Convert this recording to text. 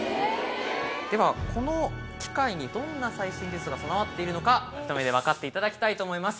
ではこの機械にどんな最新技術が備わっているのかひと目でわかっていただきたいと思います。